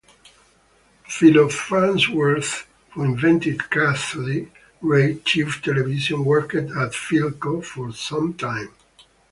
Philo Farnsworth, who invented cathode ray tube television, worked at Philco for some time.